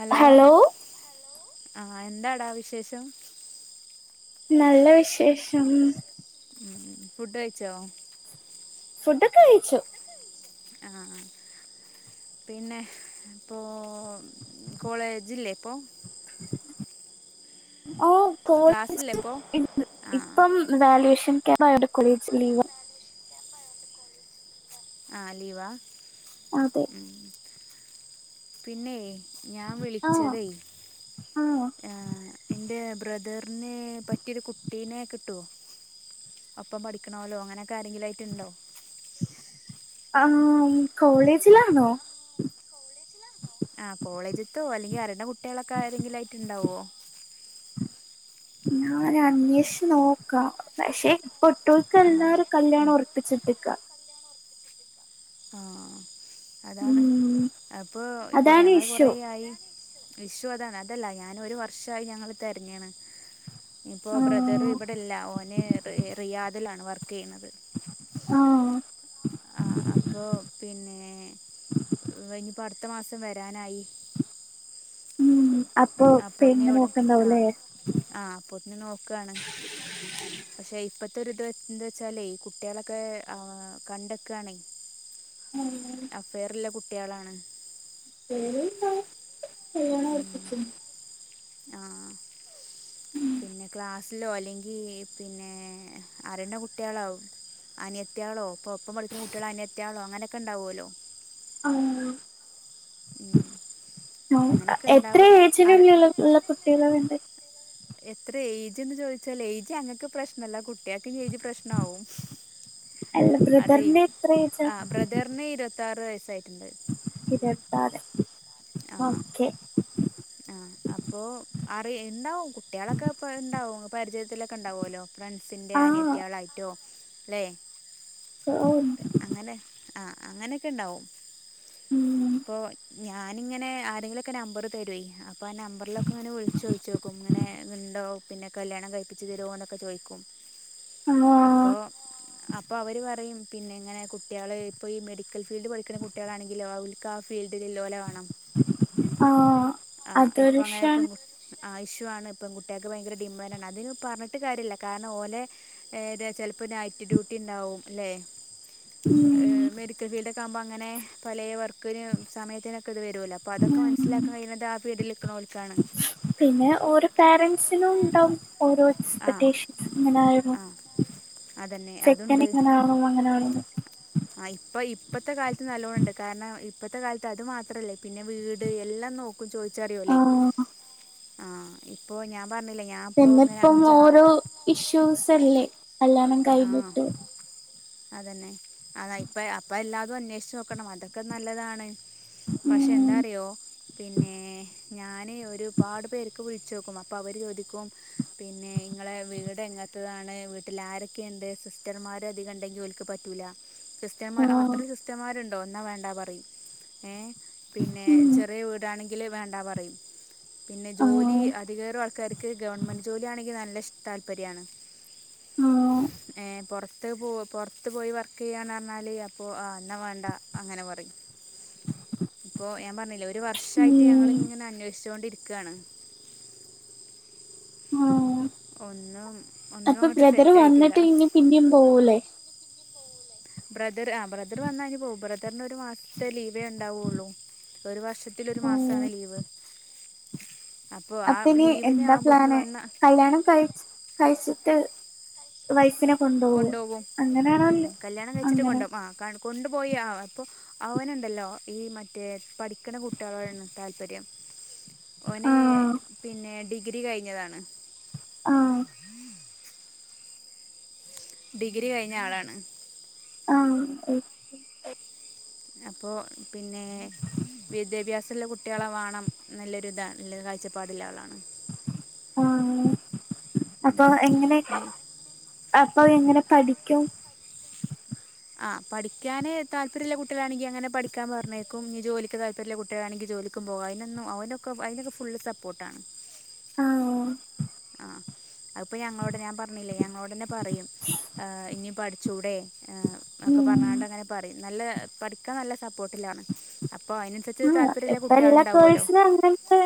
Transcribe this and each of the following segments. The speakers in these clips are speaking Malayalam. ഹലോ ആഹ് എന്താടാ വിശേഷം. നല്ല വിശേഷം. ഉം ഫുഡ് കഴിച്ചോ ഫുഡൊക്കെ കഴിച്ചു. ആഹ് പിന്നെ ഇപ്പോ കോളേജില്ലേ ഇപ്പൊ ഓ ക്ലാസ്സില്ലേ കോളജ് ഇപ്പോൾ ഇണ്ട് ആ ഇപ്പം വാല്യേഷൻ. [unintelligible] കോളേജ് ലീവ ആഹ് ലീവാ. അതെ ഉം. പിന്നെ ഞാൻ ആഹ് വിളിച്ചതേ ആഹ് എന്റെ ബ്രദറിനെ പറ്റിയൊരു കു കുട്ടീനെ കിട്ടുവ അപ്പം പഠിക്കണല്ലോ അങ്ങനെക്കെ ആരെങ്കിലുംയിട്ട് ഉണ്ടോ ആഹ് കോളേജിലാണോ. ആ കോളേജത്തോ അല്ലെങ്കി അറിയണ്ട കുട്ടികളൊക്കെ ഏതെങ്കിലും ആയിട്ട് ഉണ്ടാവോ ഞാന് അന്വേഷച്ച് നോക്കാം പക്ഷേ ആഹ് പൊട്ടുമിക്കാല്ലാരും ഉം കല്യാണം ഒർപ്പിച്ചിട്ടിക്ക ആഹ് അതാണ് ഉം അപ്പൊ ഇപ്പൊ അതാണ് ഞങ്ങള് ഇഷ്യൂ കൊറേ ആയി ഇഷ്യൂ അതാണ് അതല്ല ഞാനൊരു വർഷായി ഞങ്ങളെ തെര്ഞ്ഞീണ് ഇപ്പോ ബ്രദറ് ആഹ് ഇവിടെല്ല ഓന് റി റിയാദിലാണ് വർ കെയ്ണത് ആഹ് ആ അപ്പൊ പിന്നെ ഇവനിപ ട്ത്ത മാസം വരാനായി ഉം അപ്പൊ അപ്പോത്തി പെണ്ണ് ഇവ്ടെ ആഹ് നോക്കണ്ടാവുല്ലേ ആഹ് അപ്പോത്തി നോക്കാണ് പഷെ ഇപ്പ ത്തൊരുത് ഇത് എന്താ വെച്ചാലേ കുട്ട്യിളക്കെ ആ കണ്ടക്കാണെ അഫെയറില കുട് ട്ട്യാളാണ് [unintelligible] ഉം കല്യാണോർപിച്ച് ആ പിന്നെ ക്ലാസ്സിലോ അല്ലെങ്കി പിന്നെ അറുണ കുട്ട്യാളോ അനിയത്ത്യാളോ ഇപ്പൊ ഒപ്പം പഠിക്കിണ കുട്ട്യാളെ അനിയത്ത്യാളോ അങ്ങനെക്കെ ഇണ്ടാവോല്ലോ ആ ഉം അങ്ങനെയൊക്കെ എത്ര ഉണ്ടാവും അറി ഏജിനുള്ളിള്ള ഇള്ള കുട്ടികളെ വേണ്ടെ എത്ര എയ്ജ്ന്ന് ചോദിച്ചാല് എയ്ജ് അങ്ങക്ക് പ്രശ്നല്ല കുട്ട്യ ക്ക് എയ്ജ് പ്രശ്നിവും അല്ല അതെയ് ബ്രദറിന്റെ എത്ര ഏജാ ആ ബ്രദർന് ഈര്വത്തി പത്താറ് വയസ്സായിട്ടിണ്ട് ഇര്വത്താറ് ആഹ് ആ അപ്പൊ അറീ ഇണ്ടാവും കുട്ട്യാളൊക്കെ ഇപ്പ ഇണ്ടാവും പരിചയത്തിലൊക്കെ ഇണ്ടാവോല്ലോ ആ ഫ്രണ്ട്സിൻന്റെറെ ആന്യയത്ത്യാളായിട്ടോ [unintelligible] ഉണ്ട് അങ്ങനെ ആഹ് അങ്ങനെക്കെണ്ടാവും ഉം പോ ഞാനിങ്ങനെ ആരെങ്കിലൊക്കെ നമ്പറ് തരുവെയ് പ്പൊ നമ്പർലക്കെ ഇങ്ങനെ വിൾച്ചോയ്ച്ചോക്കും ഇങ്ങനെ ഇണ്ടോ പിന്നെ കല്യാണം കയ്പ്പിച്ച് തരോ ന്നൊക്കെ ചോയ്ക്കും ആ അപ്പൊ അപ്പൊ അവര് പറയും പിന്നെ ഇങ്ങനെ കുട്ട്യാൾ ഇപ്പോ ഈ മെഡിക്കൽ ഫീൽഡ് പഠിക്ക്ണ കുട്ട്യാളാണെങ്കിലോ അവര്ക്ക് ആ ഫീൽഡില് ഇള്ളൊലെ വാണം. ആ ആ ഇപ്പ അതൊരു അങ്ങനിപ്പ വിഷയാണ് പെ ആവശ്യമാണ് ഇപ്പം പെൺ കുട്ടികൾക്ക് ഇപ്പ ഭയങ്കര ഡിമാൻഡ് ആണ് അതിന് പറഞ്ഞിട്ട് കാര്യമില്ല കാരണം ഓലെ ഇത ചിലപ്പോൾ നൈറ്റ് ഡ്യൂട്ടി ഉണ്ടാവും. അല്ലേ? ഏ ഉം മെഡിക്കൽ ഫീഡ് ആകുമ്പോൾ അങ്ങനെ പലേ വർക്കൊരു സമയത്തിനൊക്കെ ഇത് വ ട്ടൂല പ്പതെക്കെ ഉം മനസിലാക്കൻ കഴിണ പീഡലിക്കണോളിണിക്കാണ്. പിന്നെ ഓരോ പോരന്റ്സിനും ണ്ടാവും. ഓരോ ആ എക്സ്പെൻസ് ഇങ്ങനെയാകണം. ആ അതന്നെ ചെക്കൻ അതുണ്ട് ഇങ്ങനെകാണം അങ്ങനാവണന്ന്. ആ ഇപ്പ ഇപ്പത്തെ കാലത്ത് നല്ലോ ണ്ട്. കാരണം ഇപ്പത്തെ കാലത്ത് അത് മാത്രല്ലേ പിന്നെ വീട് എല്ലാം നോക്ക ചോദിച്ചറിയുല്ലേ? ആ ആ ഇപ്പൊ ഞാൻ പറഞ്ഞില്ലേ ഞാൻ ഇപ്പോൾ ഇങ്ങനെ പിന്നിപ്പം അഞ്ചാ ഓരോ ഇഷ്യൂസല്ലേ? കല്യാണം ആഹ് കഴിഞ്ഞിട്ടും. അതന്നെ അതാ ഇപ്പ അപ്പ എല്ലാതും അന്വേഷിച്ച് നോക്കണം അതൊക്കെ നല്ലതാണ് പക്ഷെ ഉം എന്താറിയോ പിന്നെ ഞാൻ പിന്നെ ഒരുപാട് പേർക്ക് വിളി ചോക്കും. അപ്പോ അവര് ചോദിക്കും പിന്നെ ഇങ്ങളെ വീട് എങ്ങനത്തതാണ് വീട്ടിൽ ആരൊ ഒക്കെ ണ്ട് സിസ്റ്റർമാര് അധികം ണ്ടങ്കി ഓര്ക്ക് പറ്റൂല. ക്രിസ്ത്യന്മാർ ആ അത്ര ക്രിസ്ത്യന്മാരുണ്ട ട്ടോ ന്നാ വേണ്ടാ പറിം ഏ? പിന്നെ ഉം ചെറിയ വീടാണെങ്കി ങ്കില് വേണ്ടാ പറയും. പിന്നെ ആ ജോലി അധികേറും ആൾക്കാർക്ക് ഗവൺമെന്റ് ജോലിയാണെങ്കിൽ നല്ല താല്പര്യണ്. ഉം ഏ പുറത്ത് പോ പുറത്ത് പോയി വർക്ക് ചെയ്യാന്ന് പറഞ്ഞാല് അപ്പ ആ വേണ്ടാ അങ്ങനെ പറയും. ഇപ്പോ ഞാൻപറഞ്ഞില്ലേ ഒരു വർഷം ആയിട്ട് ഉം ഞങ്ങളിങ്ങനെ അന്വേഷിച്ചു കൊണ്ടിരി ക്കാണ്. ആ ഒന്നും ഒന്നും അപ്പൊ അങ്ങോട്ട് ബ്രദർ സെറ്റായിട്ടില്ല വന്നിട്ട് ഇനി പിന്നേയും പോവൂലേ? ബ്രദർ ആ ബ്രദർ വന്ന പോകും. ബ്രദറിന്റെ ഒരു മാസത്തെ ലീവ് ല ഉണ്ടാവുള്ളൂ ഒരു വർഷത്തി ഒരു ഉം മാസമാണ് ലീവ് അപ്പോൾ ആ അപ്പൊ ഇനി ലീവിന് എന്താ ആകുമ്പോത്തിന് പ്ലാന് വന്ന കല്യാണം കഴ കഴിച്ചിട്ട് വയസ്സിനും കൊണ്ടോകും ഉം കല്ല്യാണം കഴിച്ചിട്ട് അങ്ങനെ കൊണ്ടആ കാണ കൊണ്ടുപോയി ആ അപ്പൊ അവനുണ്ടല്ലോ ഈ മറ്റേ പഠിക്ക്ണ കുട്ട്യേളോടാണ് താല്പര്യം ഓനെ ആഹ് പിന്നെ ഡി ഡഗ്രി കഴിഞ്ഞതാണ് ആഹ് [unintelligible] ഡിഗ്രി കഴിഞ്ഞ ആളാണ് ആഹ [inaudible] അപ്പോ പിന്നേ വിദ്യാഭ്യാസുള്ള കുട്ട്യേളെ വാണംന്ന്ല്ലൊരു താണ് നല്ല കാഴ്ചപ്പാടുള്ള ആളാണ് ആ അപ്പൊ ഉം. എങ്ങനെ ഇനി അപ്പൊ എങ്ങനെ പഠിക്കും ആ പഠിക്കാന് താല്പര്യമുള്ള കുടട്ട്യേളാണെങ്കി അങ്ങനെ പഠിക്കാൻ പറഞ്ഞയ്ക്കും നി ജോലിക്ക് താല്പര്യള്ള കുട്ട്യേളാണെങ്കി ജോലിക്കും പോകാം അയിനൊന്നും അവന്ക്കെ അതിനൊക്കെ ഫുള്ള് സപ്പോർട്ടാണ് ഓ ആഹ അപ്പൊ ഞങ്ങളോട് ഞാൻ പറഞ്ഞില്ലേ ഞങ്ങളോടന്നെ പറയും ഇനി പഠി ചൂടെ ന്നൊക്കെ ഉം പർഞ്ഞാണ്ടങ്ങനെ പറിം നല്ല പഠിക്കാൻ നല്ല സപ്പോട്ടിലാണ് അപ്പോ അതിനനുസരിച്ച് ആഹ് താല്പര്യമില്ല ഇപ്പ എല്ലാ കുട്ടികൾണ്ടാവൊല്ലോ ഗേൾസിനും അങ്ങനത്തെ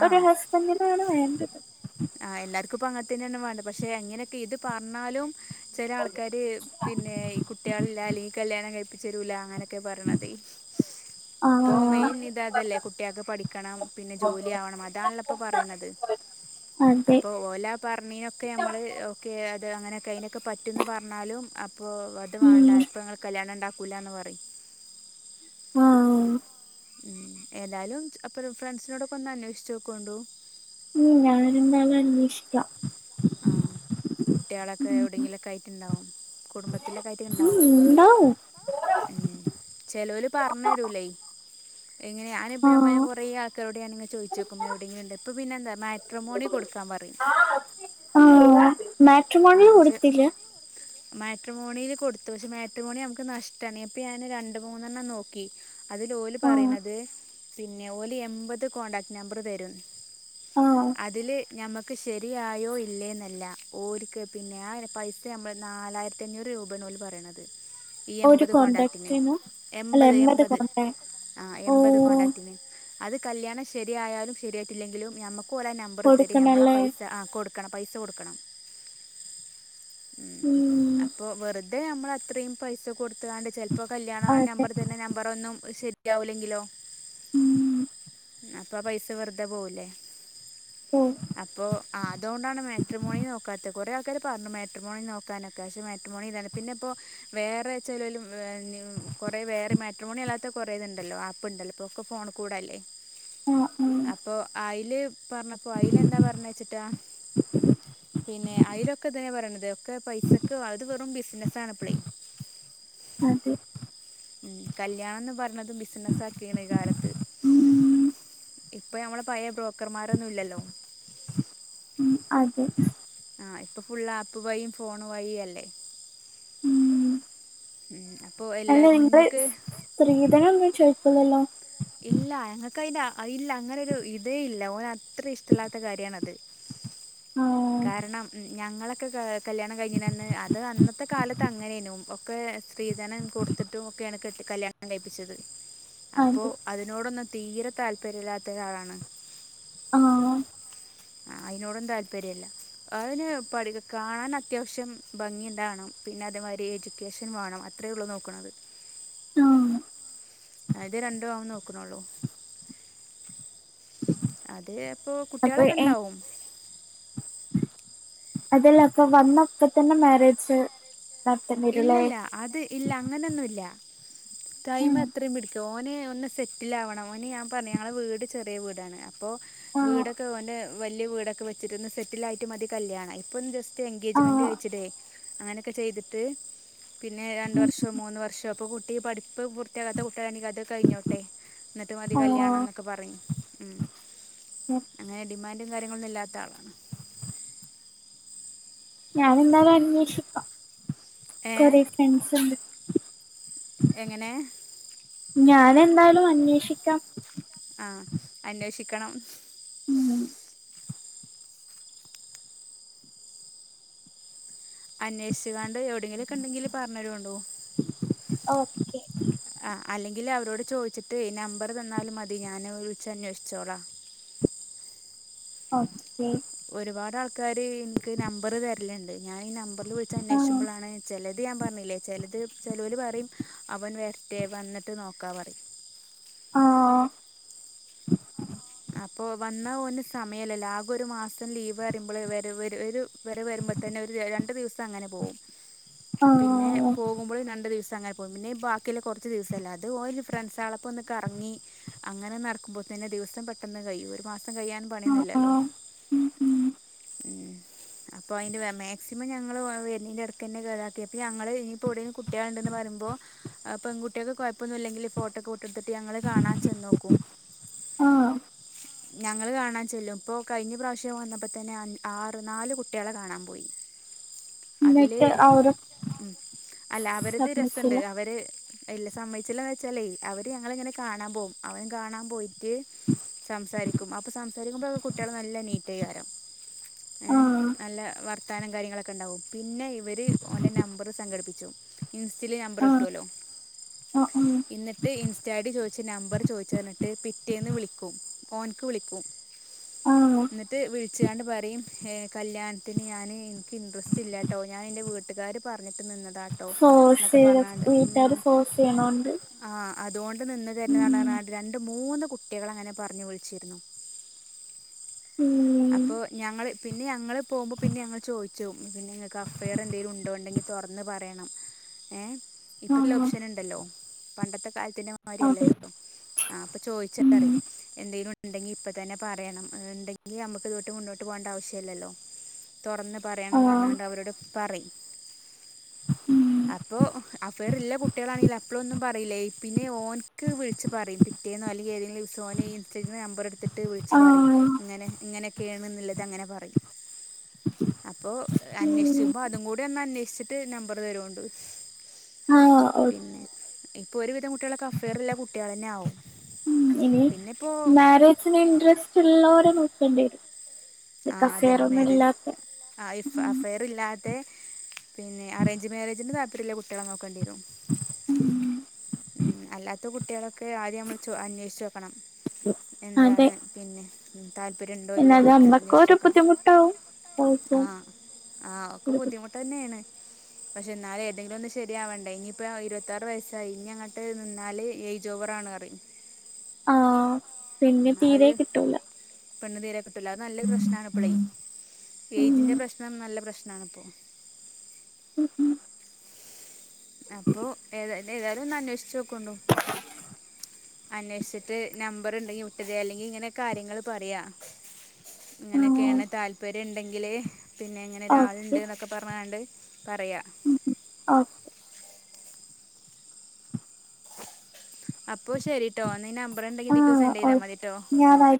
ആ ഒരു ഹസ്ബൻഡിനാണ് [unintelligible] ആ എല്ലാർക്കുംപ്പ അങ്ങെ തന്നെയാണ് വേണ്ടത് പക്ഷെ എങ്ങനെയൊക്കെ ഇത് പറഞ്ഞാലും ചെല ആൾക്കാര് പിന്നെ കുട്ട്യേളില്ല ലീ കല്യാണം കഴിപ്പിച്ചരൂല അങ്ങനൊക്കെ പറയണത് ഇപ്പൊ ആഹ് മെയിൻ ഇതാ അതല്ലേ കുട്ടികൾക്ക് പഠിക്കണം പിന്നെ ജോലി ആവണം അതാണല്ല ഇപ്പോ പറയുന്നത് അതെ അപ്പൊ ഓലാ പർഞീനൊക്കെ നമ്മള് ഓക്കെ അത് അങ്ങനെയൊക്കെ അയിനൊക്കെ പറ്റുന്ന് പർഞ്ഞാലും പ്പോൾ അത് ഉം വേണ്ട ഇപ്പോൾ ഞങ്ങൾ കല്യാണം ണ്ടാക്കും കൂലാന്ന് പറിം ആ ഹ് ഏതായാലും അപ്പം ഫ്രണ്ട്സിനോടൊക്കെ ഒന്ന് അന്വേഷ്ച്ചോക്കോണ്ടു ഉം ഞാനിന്നാലന്വേഷിക്കാം ആ കുട്ടികളൊക്കെ എവിടെങ്കിലുംക്കെ ആയിട്ട്ണ്ടാവും കുടുംബത്തിലൊക്കായിട്ട് ഉം ഇണ്ടാവും ഉണ്ടാവും ഉ ചെലോല് പർഞ്ഞരുല്ലേ എങ്ങനെയ ഞാന ഇപ്പ ആഹ് കുറെ ആൾക്കാരോട്ടെ ന ചോദിച്ചുക്കു എവിടെങ്കിലും ഉണ്ട് ഇപ്പൊ പിന്നെന്താ മാട്രമോണി കൊടുക്കാൻ പറയും മാട്രമോണില് കൊടുത്തില്ല മാട്രമോണില് കൊടുത്തു പക്ഷെ മാട്രമോണി നമക്ക് നഷ്ടാണ് അപ്പൊ ഞാന് രണ്ട് മൂന്നെണ്ണം നോക്കി അതിലോല് ആ പറിണത് പിന്നെ ഓല് എൺമ്പത് കോടാക്റ്റ് നമ്പറ് തരും ആ അതില് ഞമ്മക്ക് ഷ് ശരിയായോ ഇല്ലേന്നല്ല ഓൽക്ക് പിന്നെ ആ പൈസ നമ്മൾ നാലായിരത്തി അഞ്ഞൂറ് രൂപേണ് ഓല് പറിണത് ഈ ഒരു എൺപത് കോണ്ടാക്ററ്റ്ന് കോൺടാക്റ്റിന് അല്ല എൺപത് എൺപത് കോൺടാക്ട് ആ ഓ എൺപത് കോണ്ടാക്റ്റ്ന് അത് കല്യാണം ശരിയായാലും ശരിയായിട്ടില്ലെങ്കിലും നമ്മക്ക് പോലെ നമ്പറ് തരും നമ്മളാ കൊടുക്കണല്ലേ പൈസ അ കൊടുക്കണം പൈസ കൊടുക്കണം ഉം അപ്പോ വെറുത അതെ നമ്മളത്രിമ് പൈസ കോ കൊടുതാണ്ട് ചേലപ്പോ കല്യാണം ആ അതെ നമ്പർ തന്നെ നമ്പറൊന്നും ശരി ലാവുല്ലെങ്കിലോ ഉം അപ്പ പൈസ വെറുതെ പോവ് ലേ ഓ അപ്പൊ അതോണ്ടാണ് മാട്രമോണി നോക്കാത് കൊറെ ആൾക്കാര് പറഞ്ഞു മെട്രിമോണി നോക്കാനൊക്കെ പക്ഷെ മെട്രിമോണി ഇതാണ് പിന്നെ ഇപ്പോ വേറെ ചെലോല് കൊറെ വേറെ മെട്രോണി അല്ലാത്ത കൊറേ ഇത്ണ്ടല്ലോ ആപ്പ് ഇണ്ടല്ലോ ഇപ്പൊ ഒക്കെ ഫോൺ കൂടെ അല്ലേ ആ ആ അപ്പോ ആയി ല് പറഞ്ഞപ്പോ അയ്ല് എന്താ പറഞ്ഞച്ചിട്ടാ പിന്നെ അയ്ലൊക്കെ ഇതെ പറിണത് ഒക്കെ പൈസക്ക് അത് വെറും ബിസിനസാണ് ഇപ്പളെ അതെ കല്യാണംന്ന് പറഞ്ഞത് ബിസിനസ്സ് ആക്കിക്ണ് ഈ കാലത്ത് ഉം ഇപ്പൊ നമ്മടെ പയെ ക്കർമാരൊന്നുല്ലല്ലോ ഉം അതെ ആ ഇപ്പം ഫുള്ള് ആപ്പ് വഴും ഫോൺ വഴും അല്ലേ ഉം അപ്പോൾ എല്ലാ അല്ല നിങ്ങള് മുന്നേക്ക് സ്ത്രീധനൊന്നും ചോയ്ക്കൂല്ലല്ലോ ഇല്ല ഞങ്ങക്ക് അയ്ൻ ഇല്ല അങ്ങനെ ഒരു ഇതേ ഇല്ല ഓന് അത്രേം ഇഷ്ടല്ലാത്ത കാര്യാണത് ആ കാരണം ഞങ്ങളക്കെ കാല കല്യാണം കഴിഞ്ഞിനന്ന് അത് അന്നത്തെ കാലത്ത് അങ്ങനേനു ഒക്കെ സ്ത്രീധനം കൊടുത്തിട്ടും ഒക്കെയാണ് കെട്ട കല്യാണം കഴിപ്പിച്ചത് അപ്പോ അതെ അതിനോടൊന്ന് തീരെ താല്പര്യമില്ലാത്ത ഒരാളാണ് ആഹ് ആ അതിനോടൊന്നും താല്പര്യമല്ല അതിന് പ കാണൻ അത്യാവശ്യം ഭംഗി എന്തണം പിന്നെ അതുമാതിരി എഡ്യൂക്കേഷൻ വേണം അത്രേ ഉള്ളു നോക്കണത് ആഹ് ഇത് രണ്ടു ആവന്ന് നോക്കുന്നുള്ളൂ അത് അപ്പൊ അപ്പൊ കുട്ടികളൊക്കെ എ ഇണ്ടാവും അതല്ല അപ്പൊ വന്നപ്പ തന്നെ മാരേജ് നടത്തേണ്ടി വരൂല്ലേ ഇല്ലല്ല അത് ഇല്ല അങ്ങനൊന്നുംല്ല ടൈം ഉം എത്രയും പിടിക്ക ഓന് ഒന്ന് സെറ്റിലാവണം ഓന് ഞാൻ പറഞ്ഞു ഞങ്ങള വീട് ചെറിയ വീടാണ് അപ്പോ ആ വീടൊക്കെ ഓന്റെ വലിയ വീടൊക്കെ വച്ചട്ടൊന്ന് സെറ്റിൽ ആയിട്ട് മതി കല്യാണം ഇപ്പൊ ജസ്റ്റ് ആ എൻഗേജ്മെന്റ് കഴിച്ചിടെ അങ്ങനെയൊക്കെ ചെയ്തിട്ട് ട്ട് പിന്നെ രണ്ട ഉം വർഷമോ മൂന്ന് വർഷോ ഇപ്പോ കുട്ടി പഠിക്ക ഇപ്പ പൂർത്തിയാക്കാത്ത കുട്ടുകാരാണിക്ക അത് കഴിഞ്ഞോട്ടെ എന്നിട്ട് മതി ആ കല്യാണം എന്നൊക്കെ പറഞ്ഞു ഓക്കെ. അങ്ങനെ ഡിൻ് മും കാര്യങ്ങളൊും ഇല്ലാത്ത ആളാണ് ഞാന എന്താലും അന്വേഷിക്കാം ഏ കൊറെ ഫ്രണ്ട്സ് ഉണ്ട് എങ്ങനെ ഞാന എന്തായാലും അന്വേഷിക്കാം ആഹ അന്വേഷിക്കണം ഉം അന്വേഷുകാണ് അ എവിടെെങ്കിലൊക്കെ ഉണ്ടെങ്കിൽ പറഞ്ഞരോണ്ടു ഓക്കെ ആ അല്ലെങ്കിൽ അവരോട് ചോദിച്ചിട്ട് ഈ നമ്പർ തന്നാലും മതി ഞാൻ വിളിച്ച അന്വേഷിച്ചോളാ ഓക്കെ ഒരുപാട് ആൾക്കാര് എനിക്ക് നമ്പർ തരലുണ്ട് ഞാൻ ഈ നമ്പറിില് വിളിച്ച ആഹ് അന്വേഷുമ്പോളാണ് ചില അത് ഞാൻ പറഞ്ഞില്ലേ ചിലത് ചെലവൽ പറയും അവൻ വരട്ടെ വന്നിട്ട് നോക്കാ പറയും ആ അപ്പോ വന്ന ഓ ന് സമയമല്ലല്ല ആകെ ഒരു മാസം ലീവ് പറയുമ്പോ വ ഒരു വരെ വരുമ്പോൾ തന്നെ ഒരു രണ്ടു ദിവസം അങ്ങനെ പോകവും പിന്നെ ആഹ് പോകുമ്പോളും രണ്ട്‌ ദിവസം അങ്ങനെ പോകും പിന്നെ ബാക്കിയുള്ള കുറച്ച് ദിവസല്ലെ അത് ഫ്രണ്ട്സ് ആളപ്പോ ഒൊക്ക കറങ്ങി അങ്ങനെ ഒന്ന് നടക്കുമ്പോ തന്നെ ദിവസം പെട്ടന്ന് കഴിയും ഒരു മാസം സം കഴിയാൻ ആഹ് പണിയുന്നില്ലല്ലോ ആഹ് ഉം ഉം അപ്പൊ അതിന്റെ മാക്സിമം ഞങ്ങള്ൾന്റെ ഇടക്കന്നെ കേടാക്കി അപ്പ ഞങ്ങങ്ങള് ഇനിപ്പോ എവിടെേും കുട്ടികളുണ്ടെന്ന് പറയ്പോ പെകട്ടിയൊക്കെ കുഴപ്പൊന്നില്ലെങ്കിൽ ഫോട്ടോ കൂട്ട എടുത്തിട്ട് ത്തിട്ട് ഞങ്ങള് കാണാൻ ചെന്നോക്കും ആഹ് ഞങ്ങള്ൾ കാണാൻ ചെല്ലും ഇപ്പോൊ കഴിഞ്ഞ പ്രാവശ്യം വന്നപ്പോ തന്നെ ആറ് നാല് കുട്ടിളെ കാണാൻ പോയി അതില് എന്നിട്ട് അവര് ഉ അല്ല അവരത് രസുണ്ട് സമ്മതിച്ചില്ല അവര്ല്ല സമ്മച്ചില്ലന്ന് വെച്ചാലേ അവര് ഞങ്ങളിങ്ങനെ കാണാൻ പോകും അവനും കാണാൻ പോയിട്ട് സംസാരിക്കും അപ്പൊ സംസാരിക്കുമ്പോക്കെ കുട്ടികൾ നല്ല നീറ്റായികാരം ഏ ആഹ് നല്ല വർക്ക് താനം കാര്യങ്ങളൊക്കെ ഉണ്ടാവും പിന്നെ ഇവർ ഓൻറെ നമ്പർ സംഘടിപ്പിച്ചു ഇൻസ്റ്റയിലൽ നമ്പർ ആഹ് കിട്ടുല്ലോ ആഹ് ഉം എന്നിട്ട് ഇൻസ്റ്റ ആ് ചോദിച്ച നമ്പർ ചോദിച്ചു പറഞ്ഞിട്ട് പിറ്റേന്ന് വിളിക്ക ക [inaudible] ഓൻക്ക് വിളിക്കും ആഹ് എന്നിട്ട് വിളിച്ചുകാണ്ട് പറയും കല്യാണത്തിന് ഞാൻ എനിക്ക് ഇൻട്രസ്റ്റ് ഇല്ല ട്ടോ ഞാൻ എൻ്റെ വീട്ടുകാാര് പറഞ്ഞിട്ട് നിന്നത് ഫോസ് ചെയ്ത വീട്ടാാര് ഫോസ് ചെയ്യണണ്ട് അതോണ്ട് അ നിന്ന് തരുന്ന നടാ രണ്ട് മൂന്ന് കുട്ടികൾ അങ്ങനെ പറഞ്ഞു വിളി [inaudible] ഉം അപ്പൊ ഞങ്ങള് പിന്നെ ഞങ്ങള് പോകുമ്പോ പിന്നെ ഞങ്ങൾ ചോദി ച്ചും പിന്നെ നിങ്ങൾക്ക് അഫയർ എന്തേങ്കിലും ഉണ്ടോ ഉണ്ടെങ്കിൽ തുറന്ന് പറയണം ഇപ്പല്ല ആഹ് ഓപ്ഷൻ ഉണ്ടല്ലോ പണ്ടത്തെ കാലത്തിന്റെ അതെ മാരിയല്ലല്ലോ ഇപ്പൊ ആ അപ്പൊ ചോദിച്ച ഉം നറി എന്തെ ഉണ്ടെങ്കിൽ ഇപ്പ തന്നെ പറയണം ണ്ടങ്കിൽ നമുക്ക് ഇതൊട്ട് മുന്നോട്ട് പോകേണ്ട ആവശ്യമില്ലല്ലോ തുറന്ന് പറയണംന്ന് ആഹ് ഞ്ഞുകാണ്ട് അവരോട് പറയും ഉം അപ്പൊ അ അഫാർലുള്ള കുട്ടികളാണെങ്കിൽ അപ്പോഴൊന്നും പറയില്ലേ പിന്നെ ഓനക്ക് വിളിച്ച് പറയും പിറ്റേന്ന അെങ്കിൽ ഏതെങ്കിലും ദിവസ ഓന ഇൻസ്റ്റഗ്ര നമ്പർ എടുത്തിട്ട് ട്ട് വിിച്ചച്ച് പറയും ആഹ് ഇങ്ങനെ ഇങ്ങനെ ണത് അെ പറ അപ്പോ ഉം അവിക്ക്പ അത കൂ അ നമ്പർ തരുംണ്ട് ആഹ് ഓഹ് പിന്നെ ഇപ്പൊ ഒരുവിധം കുട്ടികളക്കെ അഫെയറില്ല കുട്ടികൾന്നെ ആവും ഉം ഇനി പിന്നെ ഇപ്പോ മാരേജിന് ഇൻട്രസ്റ്റ് ഉള്ളോരെ നോക്കേണ്ടി വരും ആ ലൈക്ക് അഫെയർ അതന്ന ഒന്നും മരേജ് ഇല്ലാത്ത ആ അ ഫെയർല്ലാ ത്തെ പിന്നെ അറേഞ്ച് മാരേജിന്റെ കുട്ടികളെ നോക്കണ്ടേ ഉം അല്ലാത്ത കുട്ടികളൊക്കെ ആദ്യം നമ്മൾ അന്വേഷിച്ച പ്പണം അതെ എന്താണ് പിന്നെ താല്പര്യം ഉണ്ടോ ഇല്ലേ എന്നാലും എന്നൊക്കെ അറിഞ്ഞു നമ്മക്ക് ഒരു വെച്ചെക്കണം ബുദ്ധിമുട്ടാവും ഓൾക്കും ആഹ് ആ ഒക്കെ ഒരു ബുദ്ധി ബുദ്ധിമുട്ട് തന്നെയാണ് പക്ഷെ എന്നാല് ഏതെങ്കിലും ഒന്നും ശരിയാവണ്ടേ ഇനിയിപ്പ ഇരുപത്താറ് വയസ്സായി ഇനിങ്ങട്ട് നിന്നാല് ഏയ്ജോവറാണ് പറ ആ പിന്നെ തീരെ കിട്ടൂല പെണ്ണ് തീരെ ക് ട്ടൂല അത് നല്ലൊരു പ്രശ്നാണ്പ്പളൈ ഉം എയ്ജിന്റെ പ്രശ്നം നല്ല പ്രശ് നാണ്പ്പോ ഉം ഉം അപ്പൊ ഏത ന്നെതാലൊന്ന ന്വേഷിച്ചോക്കോണ്ടു അന്വേഷിച്ചിട്ട് നമ്പർ ണ്ടെങ്കി വിട്ടെരെ അല്ലെങ്കി ങ്ങനെ കാര്യങ്ങള് പറയാ ആഹ് ഇങ്ങനെക്കെണ് താല്പര്യണ്ടെങ്കില് പിന്നെ ങ്ങനെ ഒരാള്ണ്ട് ഓക്കെ ന്നൊക്കെ പർഞ്ഞാണ്ട് പറയാ ഓ അപ്പൊ ശെരിട്ടോ എന്ന ഈ നമ്പറ്ണ്ടെങ്കി ഇതിക്കൊന്ന് ആഹ് സെൻറ്റൈയ്താ ഓക്കെ മതിട്ടോ ഞായറാഴ് ഓക്കെ.